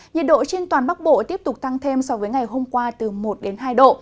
nhiệt độ trên toàn bắc bộ tiếp tục tăng thêm so với ngày hôm qua từ một đến hai độ